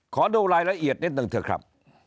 ขอดูรายละเอียดนิดหนึ่งเถอะครับ